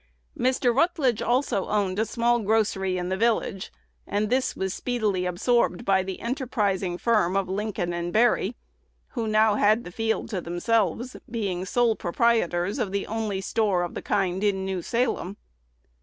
Mr. Rutledge "also owned a small grocery in the village;" and this was speedily absorbed by the enterprising firm of Lincoln & Berry, who now had the field to themselves, being sole proprietors "of the only store of the kind in New Salem."